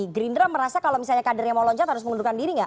gerindra merasa kalau misalnya kadernya mau loncat harus mengundurkan diri nggak